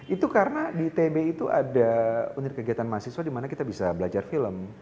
itu karena di itb itu ada unit kegiatan mahasiswa di mana kita bisa belajar film